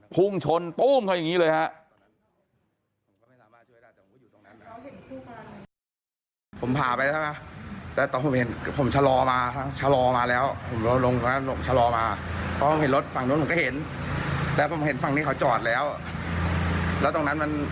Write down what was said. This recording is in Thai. พุ่งชนตู้มเขาอย่างนี้เลยฮะ